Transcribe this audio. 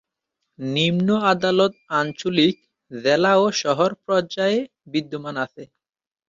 নিম্ন আদালত আঞ্চলিক, জেলা ও শহর পর্যায়ে বিদ্যমান আছে।